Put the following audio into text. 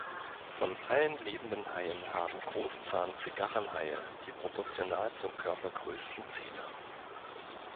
Von allen lebenden Haien haben Großzahn-Zigarrenhaie die proportional zum Körper größten Zähne.